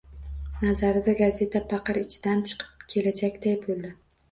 Nazarida, gazeta paqir ichidan... chiqib kelajakday bo‘ldi.